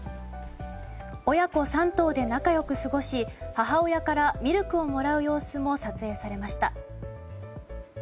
親子３頭で仲良く過ごし母親からミルクをもらう様子も撮影されました。